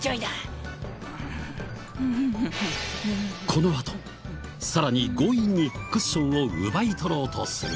このあとさらに強引にクッションを奪い取ろうとする。